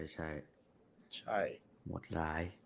ใช่หมดลาย